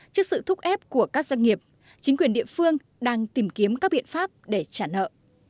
trước sự thúc ép của các doanh nghiệp chính quyền địa phương đang tìm kiếm các biện pháp để trả nợ